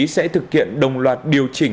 sẽ thực hiện đồng loạt điều chỉnh